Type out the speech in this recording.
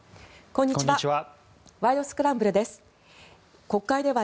こんにちは。